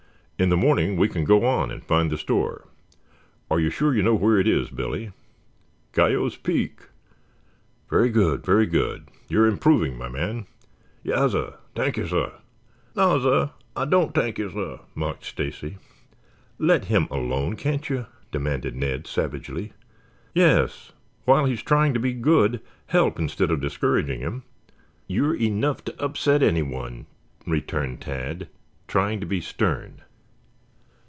In the morning we can go on and find the store. Are you sure you know where it is, Billy?" "Guyot's Peak." "Very good, very good. You are improving, my man." "Yassir. T'ank you, sah." "Nassir, ah don't t'ank you, sah," mocked Stacy. "Let him alone, can't you?" demanded Ned savagely. "Yes, while he is trying to be good, help instead of discouraging him. You are enough to upset anyone," returned Tad, trying to be stern.